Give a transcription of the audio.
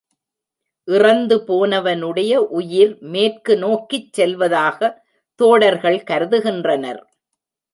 இறந்துபோனவனுடைய உயிர் மேற்கு நோக்கிச் செல்லுவதாகத் தோடர்கள் கருதுகின்றனர்.